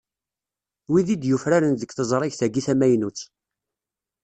Wid i d-yufraren deg teẓrigt-agi tamaynut.